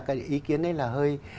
cái ý kiến ấy là hơi